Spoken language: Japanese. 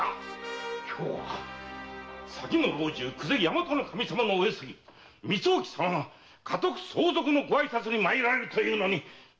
今日は先の老中・久世大和守様のお世継ぎ光意様が家督相続のご挨拶に参られるというのに！